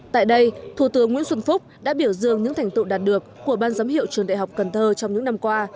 tại đây thủ tướng nguyễn xuân phúc đã biểu dương những thành tựu đạt được của ban giám hiệu trường đại học cần thơ trong những năm qua